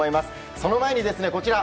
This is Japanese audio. その前に、こちら。